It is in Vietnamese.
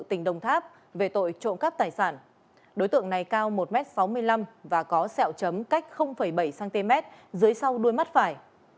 tỉnh đồng tháp về tội trộm cắp tài sản đối tượng này cao một m sáu mươi năm và có sẹo chấm cách bảy cm dưới sau đuôi mắt phải